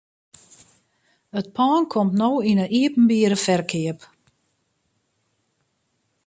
It pân komt no yn 'e iepenbiere ferkeap.